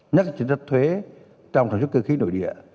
nhất là chính sách thuế trong sản xuất cơ khí nội địa